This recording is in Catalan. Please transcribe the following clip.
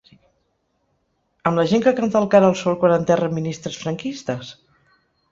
Amb la gent que canta el “Cara el sol” quan enterren ministres franquistes?